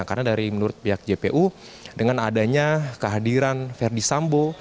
karena dari pihak jpu dengan adanya kehadiran ferdis sambo